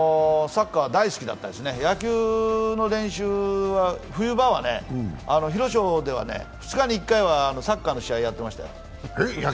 サッカーは大好きだったですね、野球の練習は冬場は広商ではサッカーの試合をやってましたよ。